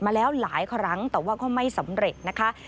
มาแล้วหลายครั้งแต่ว่าก็ไม่สำเร็จนะคะ